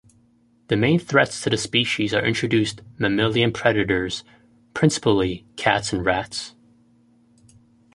The main threats to the species are introduced mammalian predators, principally cats and rats.